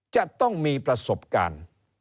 จะต้องมีประสบการณ์